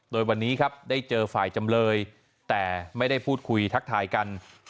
โดยวันนี้ครับได้เจอฝ่ายจำเลยแต่ไม่ได้พูดคุยทักทายกัน